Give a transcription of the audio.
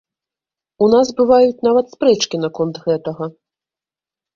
У нас бываюць нават спрэчкі наконт гэтага.